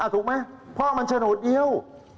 ถูกมั้ยพ่อมันโฉนหน่วงเดียว